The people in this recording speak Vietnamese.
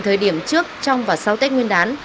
thời điểm trước trong và sau tết nguyên đán